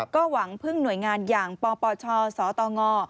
ก็หวังพึ่งหน่วยงานอย่างปปชสตง